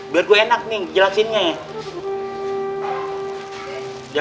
boleh gue enak jelasinnya